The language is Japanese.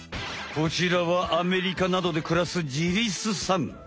こちらはアメリカなどでくらすジリスさん。